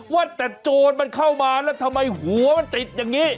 ว่าแต่โจรมันเข้ามาแล้วทำไมหัวมันติดอย่างนี้